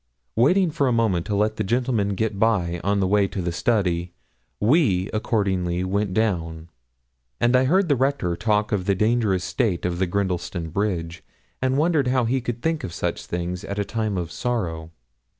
Waiting for a moment to let the gentlemen get by on the way to the study, we, accordingly, went down, and I heard the Rector talk of the dangerous state of Grindleston bridge, and wondered how he could think of such things at a time of sorrow.